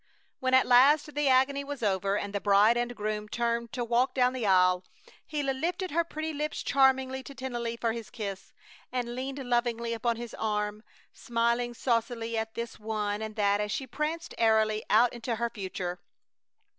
When at last the agony was over and the bride and groom turned to walk down the aisle, Gila lifted her pretty lips charmingly to Tennelly for his kiss, and leaned lovingly upon his arm, smiling saucily at this one and that as she pranced airily out into her future.